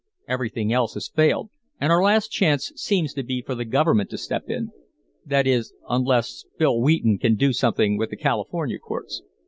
Everything else has failed, and our last chance seems to be for the government to step in; that is, unless Bill Wheaton can do something with the California courts."